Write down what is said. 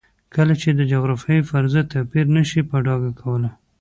کله چې د جغرافیې فرضیه توپیر نه شي په ډاګه کولی.